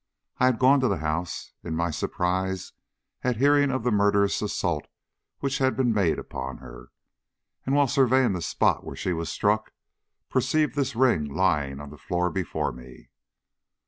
I had gone to the house, in my surprise at hearing of the murderous assault which had been made upon her, and, while surveying the spot where she was struck, perceived this ring lying on the floor before me."